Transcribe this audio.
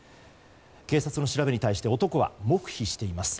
警察の調べに対して男は黙秘しています。